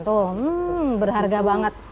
tuh hmm berharga banget